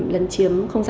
lần chiếm không gian